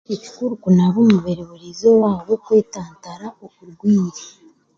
Ni kikuru kunaaba omubiri burizooba ahabwokwetantara oburwaire.